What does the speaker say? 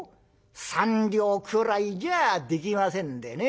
３両くらいじゃできませんでね。